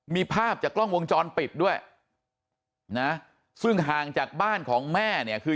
มีภาพจากกล้องวงจรปิดด้วยนะซึ่งห่างจากบ้านของแม่เนี่ยคือ